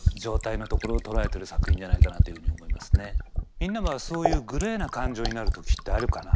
みんなはそういうグレーな感情になる時ってあるかな？